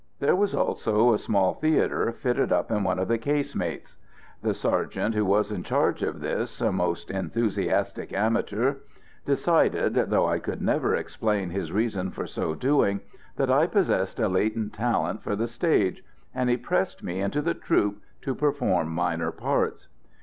There was also a small theatre fitted up in one of the casemates. The sergeant who was in charge of this, a most enthusiastic amateur, decided, though I could never explain his reason for so doing, that I possessed a latent talent for the stage, and he pressed me into the troupe to perform minor parts.